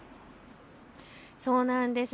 そうなんです。